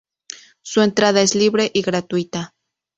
Su entrada es libre y gratuita.